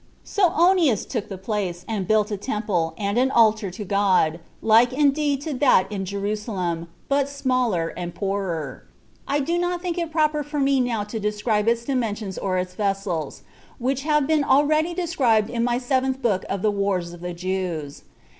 3. So Onias took the place, and built a temple, and an altar to God, like indeed to that in Jerusalem, but smaller and poorer. I do not think it proper for me now to describe its dimensions or its vessels, which have been already described in my seventh book of the Wars of the Jews.